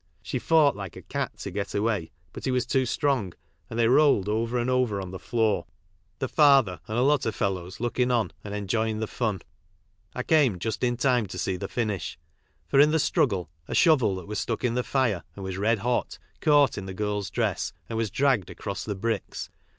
She fought 1 ke a cat to get away, but he was too strong, Sid they rolled over and over on the floor, the fethei CRIMINAL MANCHESTER— A DOft FIG ITT I BRUTALITY AND POVKHTY. 15 and a lot of fellows looking on and enjoying the fun. I came just in time to see the finish, for in the struggle a shovel that was stuck in the fire, and was red hot, caught in the girl's dress and was dragged across the bricks.